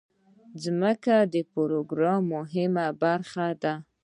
ځکه دا د پروګرام مهمه برخه ده.